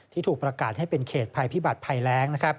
ถูกประกาศให้เป็นเขตภัยพิบัติภัยแรง